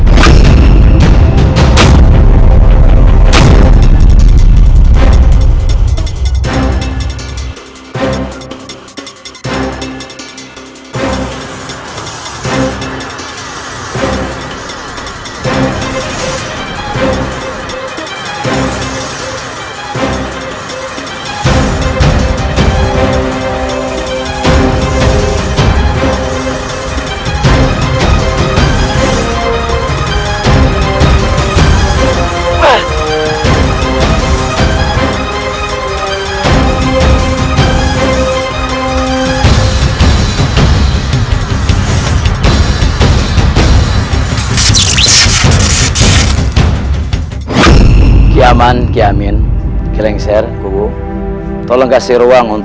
kau bisa mengalahkan si iwan